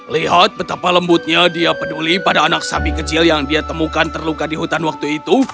lihat betapa lembutnya dia peduli pada anak sapi kecil yang dia temukan terluka di hutan waktu itu